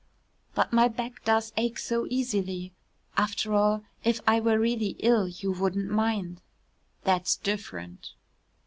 "But my back does ache so easily. After all, if I were really ill you wouldn't mind." "That is different."